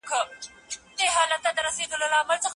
که ښځې افغانې وي نو وطن به نه هیریږي.